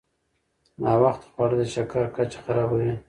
ناوخته خواړه د شکر کچه خرابوي.